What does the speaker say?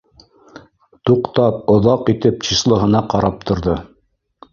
Туҡтап, оҙаҡ итеп числоһына ҡарап торҙо